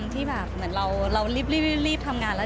ที่แบบเหมือนเรารีบทำงานแล้ว